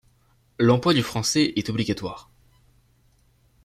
L'emploi du français est obligatoire.